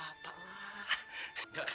begitu tewan aja